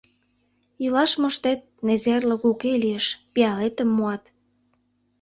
Илаш моштет — незерлык уке лиеш, пиалетым муат.